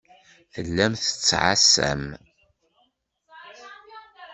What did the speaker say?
Tellam tettɛassam.